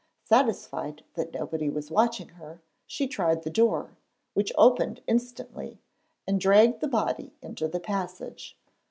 Satisfied that nobody was watching her, she tried the door, which opened instantly, and dragged the body into the passage.